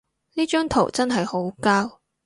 呢張圖真係好膠